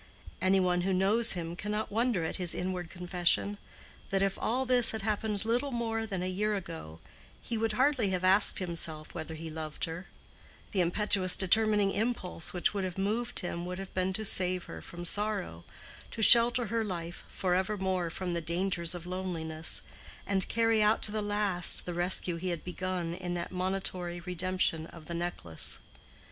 Any one who knows him cannot wonder at his inward confession, that if all this had happened little more than a year ago, he would hardly have asked himself whether he loved her; the impetuous determining impulse which would have moved him would have been to save her from sorrow, to shelter her life forevermore from the dangers of loneliness, and carry out to the last the rescue he had begun in that monitory redemption of the necklace.